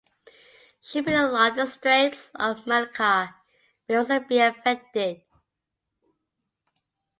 Shipping along the Straits of Malacca may also be affected.